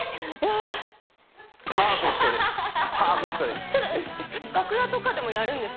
パーフェクトです